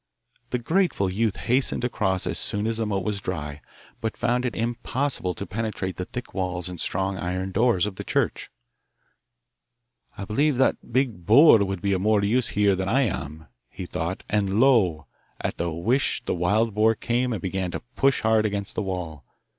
The grateful youth hastened across as soon as the moat was dry, but found it impossible to penetrate the thick walls and strong iron doors of the church. 'I believe that big boar would be of more use here than I am,' he thought, and lo! at the wish the wild boar came and began to push hard against the wall.